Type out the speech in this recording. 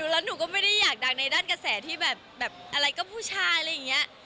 แล้วหนูก็ไม่ได้อยากดังในด้านกระแสที่แบบอะไรก็ผู้ชายอะไรอย่างนี้